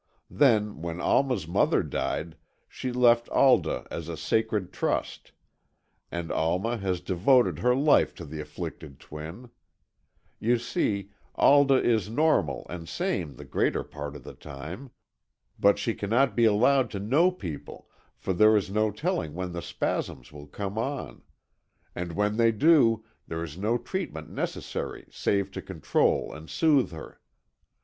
Then, when Alma's mother died, she left Alda as a sacred trust, and Alma has devoted her life to the afflicted twin. You see, Alda is normal and sane the greater part of the time. But she cannot be allowed to know people for there is no telling when the spasms will come on. And when they do there is no treatment necessary save to control and soothe her.